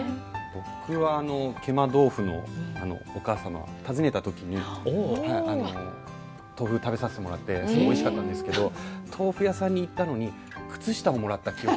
僕はあの食満豆腐のおかあ様訪ねた時にあの豆腐食べさせてもらってすごいおいしかったんですけど豆腐屋さんに行ったのに靴下をもらった記憶が。